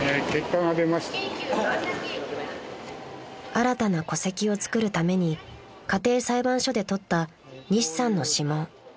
［新たな戸籍をつくるために家庭裁判所で採った西さんの指紋］